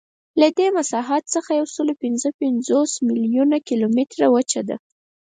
له دې مساحت څخه یوسلاوپینځهپنځوس میلیونه کیلومتره وچه ده.